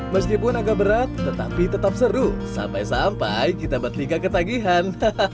meskipun agak berat tetapi tetap seru sampai sampai kita bertiga ketagihan